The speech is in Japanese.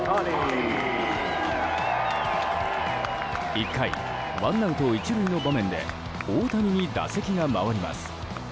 １回、ワンアウト１塁の場面で大谷に打席が回ります。